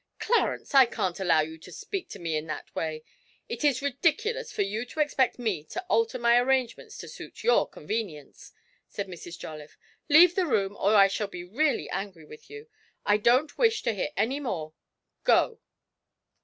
'Clarence, I can't allow you to speak to me in that way. It is ridiculous for you to expect me to alter my arrangements to suit your convenience,' said Mrs. Jolliffe; 'leave the room, or I shall be really angry with you. I don't wish to hear any more go.'